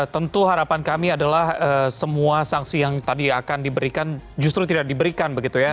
tentu harapan kami adalah semua sanksi yang tadi akan diberikan justru tidak diberikan begitu ya